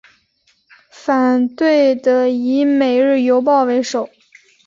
反对的以每日邮报为首。